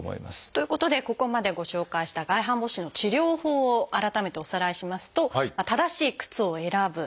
ということでここまでご紹介した外反母趾の治療法を改めておさらいしますと正しい靴を選ぶ。